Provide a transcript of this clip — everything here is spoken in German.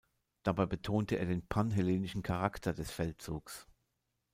Dabei betonte er den panhellenischen Charakter des Feldzugs.